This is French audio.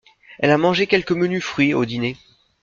Elle a mangé quelques menus fruits au dîner.